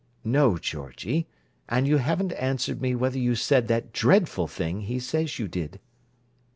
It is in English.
"No, Georgie. And you haven't answered me whether you said that dreadful thing he says you did."